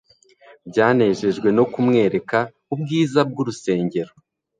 banejejwe no kumwereka ubwiza bw'urusengero!